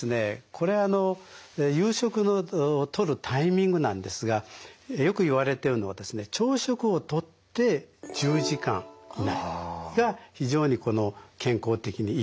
これあの夕食のとるタイミングなんですがよく言われてるのはですね朝食をとって１０時間以内が非常にこの健康的にいいよと。